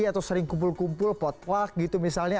atau sering kumpul kumpul pot pot gitu misalnya